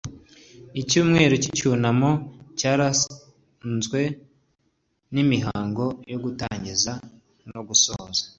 icyumweru cy icyunamo cyaranzwe n imihango yo gutangiza no gusoza